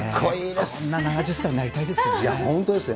こんな７０歳になりたいですいや、本当ですね。